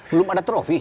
belum ada trofi